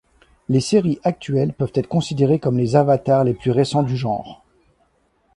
Les séries actuelles peuvent être considérées comme les avatars les plus récents du genre.